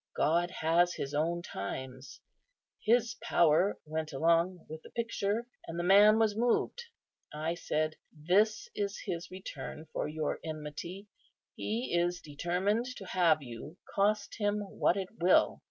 God has His own times; His power went along with the picture, and the man was moved. I said, 'This is His return for your enmity: He is determined to have you, cost Him what it will.